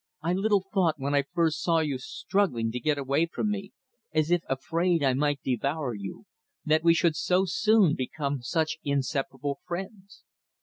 I little thought when I first saw you struggling to get away from me, as if afraid I might devour you, that we should so soon become such inseparable friends.